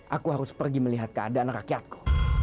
aku harus pergi melihat keadaan rakyatku